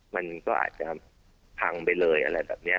มันก็อาจจะพังไปเลยอะไรแบบนี้